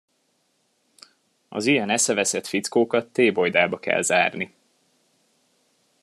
Az ilyen eszeveszett fickókat tébolydába kell zárni.